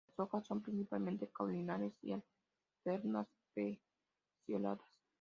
Las hojas son principalmente caulinares y alternas, pecioladas.